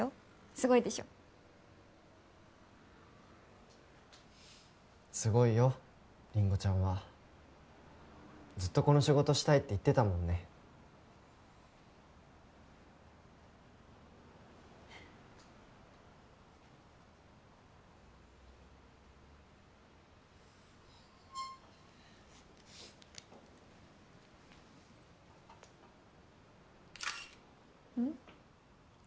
すごいでしょすごいよりんごちゃんはずっとこの仕事したいって言ってたもんねうん？